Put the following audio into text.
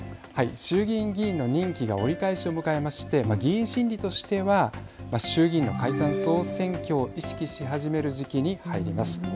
衆議院議員の任期が折り返しを迎えまして議員心理としては衆議院の解散総選挙を意識し始める時期に入ります。